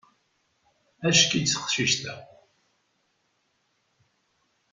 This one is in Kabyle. Ack-itt taqcict-a.